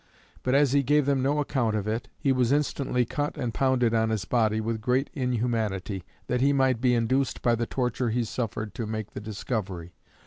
But as he gave them no account of it, he was instantly cut and pounded on his body with great inhumanity, that he might be induced by the torture he suffered to make the discovery.